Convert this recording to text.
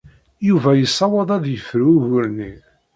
Yuba yessaweḍ ad yefru ugur-nni.